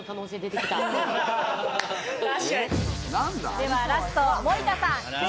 ではラスト森田さん。